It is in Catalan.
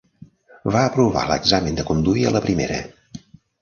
Va aprovar l'examen de conduir a la primera.